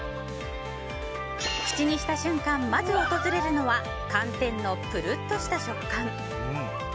口にした瞬間、まず訪れるのは寒天のぷるっとした食感。